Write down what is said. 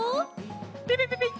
ピピピピッ。